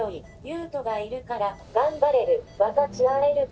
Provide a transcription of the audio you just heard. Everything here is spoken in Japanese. ユウトがいるから頑張れる。